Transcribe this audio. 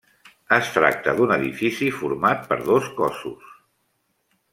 Es tracta d'un edifici format per dos cossos.